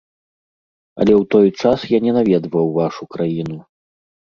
Але ў той час я не наведваў вашу краіну.